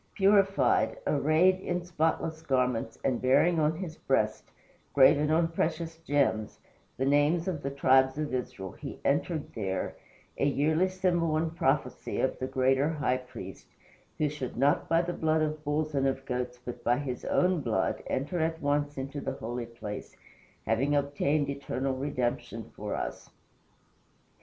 Purified, arrayed in spotless garments, and bearing on his breast graven on precious gems the names of the tribes of Israel, he entered there, a yearly symbol and prophecy of the greater High Priest, who should "not by the blood of bulls and of goats, but by his own blood, enter at once into the holy place, having obtained eternal redemption for us."